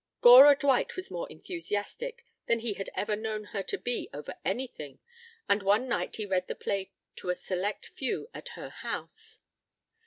Gora Dwight was more enthusiastic than he had ever known her to be over anything, and one night he read the play to a select few at her house.